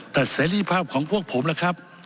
แต่เสรีภาพของพวกผมล่ะครับ